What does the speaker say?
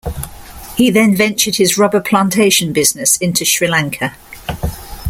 He then ventured his rubber plantation business into Sri Lanka.